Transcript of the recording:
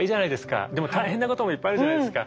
でも大変なこともいっぱいあるじゃないですか。